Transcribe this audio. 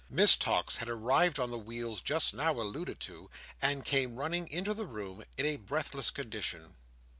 Miss Tox had arrived on the wheels just now alluded to, and came running into the room in a breathless condition.